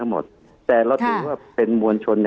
คุณหมอประเมินสถานการณ์บรรยากาศนอกสภาหน่อยได้ไหมคะ